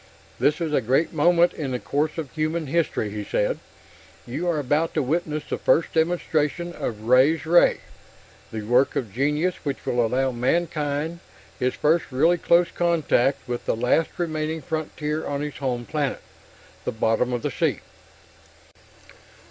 "This is a great moment in the course of human history," he said. "You are about to witness the first demonstration of Ray's Ray, the work of genius which will allow mankind his first really close contact with the last remaining frontier on his home planet the bottom of the sea!"